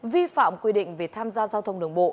vi phạm quy định về tham gia giao thông đường bộ